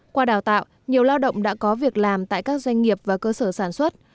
qua đào tạo nhiều lao động đã có việc làm tại các doanh nghiệp và cơ sở sản xuất